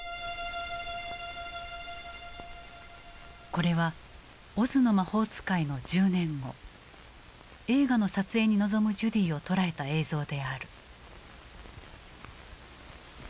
これは「オズの魔法使」の１０年後映画の撮影に臨むジュディを捉えた映像である。